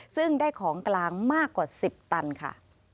ซึ่งได้ของกลางมากกว่า๑๐ตันค่ะ